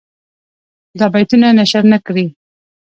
دا بیتونه نشر نه کړي.